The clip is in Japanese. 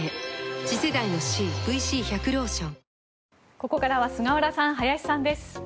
ここからは菅原さん、林さんです。